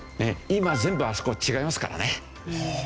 今全部あそこは違いますからね。